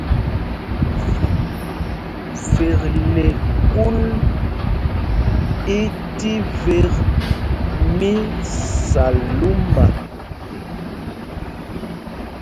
Vekle kûl i tí vek mí Salúma.